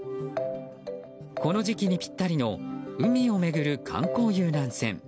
この時期にぴったりの海を巡る観光遊覧船。